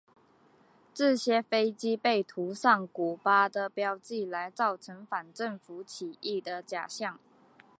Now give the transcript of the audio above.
这些飞机被涂上古巴的标记来造成反政府起义的假象。